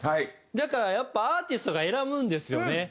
だからやっぱアーティストが選ぶんですよね。